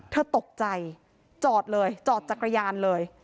เธอตกใจจอดเลยจอดจักรยานเลย